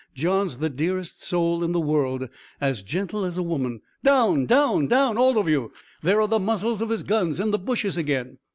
John's the dearest soul in the world, as gentle as a woman. Down! Down! all of you! There are the muzzles of his guns in the bushes again!"